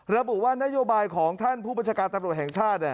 ระบุว่านโยบายของท่านผู้บัญชาการตำรวจแห่งชาติ